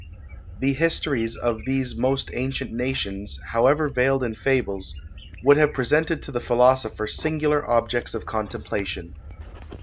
The histories of these most ancient nations, however veiled in fables, would have presented to the philosopher singular objects of contemplation.